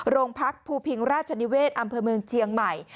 โรงพักภูพิงราชนิเวศอำเภอเมืองเชียงใหม่